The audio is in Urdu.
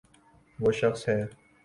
و ہ شخص ہے۔